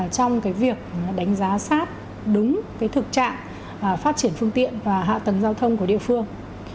trong việc đánh giá sát đúng thực trạng phát triển phương tiện và hạ tầng giao thông của địa phương